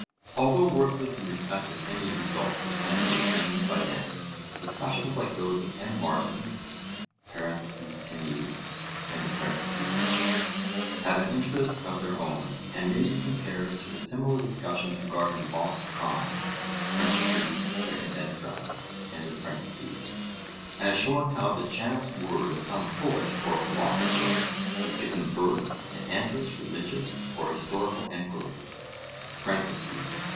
Although worthless in respect of any result which can be attained by them, discussions like those of M. Martin (Timee) have an interest of their own, and may be compared to the similar discussions regarding the Lost Tribes (2 Esdras), as showing how the chance word of some poet or philosopher has given birth to endless religious or historical enquiries.